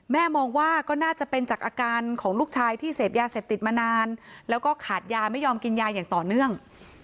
มองว่าก็น่าจะเป็นจากอาการของลูกชายที่เสพยาเสพติดมานานแล้วก็ขาดยาไม่ยอมกินยาอย่างต่อเนื่อง